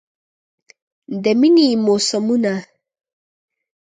د میینې موسمونه